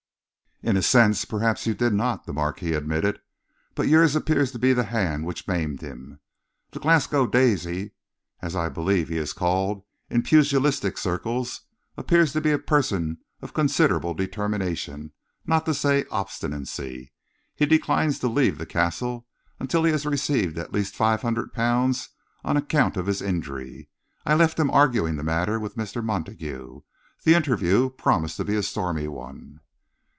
"In a sense, perhaps, you did not," the Marquis admitted, "but yours appears to be the hand which maimed him. The Glasgow Daisy, as I believe he is called in pugilistic circles, appears to be a person of considerable determination, not to say obstinacy. He declines to leave the Castle until he has received at least five hundred pounds on account of his injury. I left him arguing the matter with Mr. Montague. The interview promised to be a stormy one."